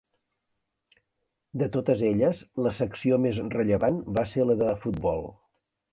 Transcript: De totes elles, la secció més rellevant va ser la de futbol.